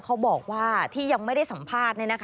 เขาบอกว่าที่ยังไม่ได้สัมภาษณ์